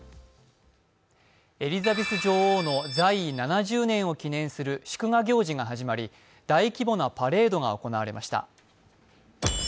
エリザベス女王の在位７０年を記念する祝賀行事が始まり、大規模なパレードが行われました。